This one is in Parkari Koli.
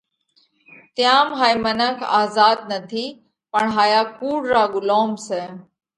تيام هائي منک آزاڌ نٿِي پڻ هايا ڪُوڙ را ڳُلوم سئہ۔